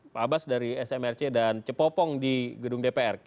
pak abas dari smrc dan cu popong di gedung dpr